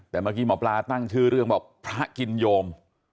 แต่เมื่อกี้หมอปลาตั้งชื่อเรื่องบอกพระกินโยม